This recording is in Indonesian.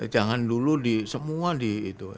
jangan dulu di semua di itu